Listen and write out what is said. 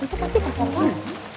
itu pasti kecatuan